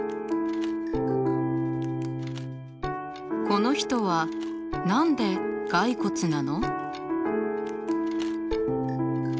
この人は何で骸骨なの？